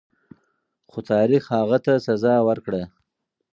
خو تاریخ هغه ته سزا ورکړه.